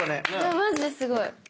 マジですごい。